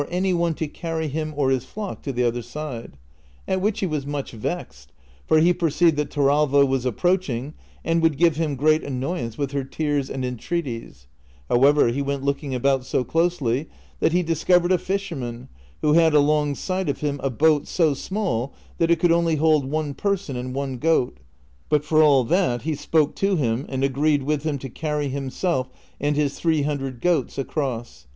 any one to carry him or his flock to the other side, at which he was much vexed, for he perceived that Torralva was ap proaching and woukl give him great annoyance Avith her tears and entreaties ; however, he went kioking abont so closely that he discovered a fisherman who had alongside of him a boat so small that it could only hold one person and one goat ; but for all that he spoke to him and agreed with him to carry himself and his three hundred goats across.